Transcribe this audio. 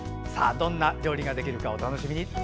どんな料理ができるかお楽しみに。